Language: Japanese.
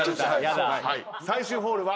最終ホールは。